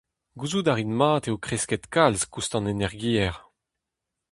Gouzout a rit mat eo kresket kalz koust an energiezh.